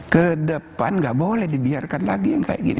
ke depan nggak boleh dibiarkan lagi yang kayak gini